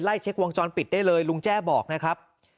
เช็ควงจรปิดได้เลยลุงแจ้บอกนะครับ